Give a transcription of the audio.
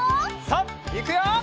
さあいくよ！